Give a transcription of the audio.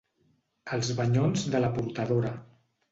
Els banyons de la portadora.